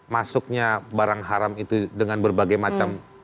masuknya barang haram itu dengan berbagai macam